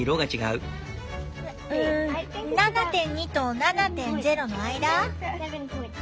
うん７．２と７．０の間？